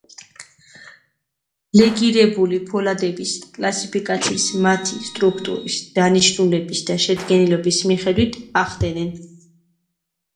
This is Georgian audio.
ლეგირებული ფოლადების კლასიფიკაციას მათი სტრუქტურის, დანიშნულების და შედგენილობის მიხედვით ახდენენ.